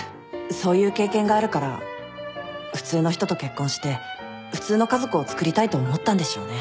そういう経験があるから普通の人と結婚して普通の家族をつくりたいと思ったんでしょうね。